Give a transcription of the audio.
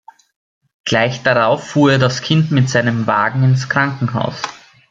Gleich darauf fuhr er das Kind mit seinem Wagen ins Krankenhaus.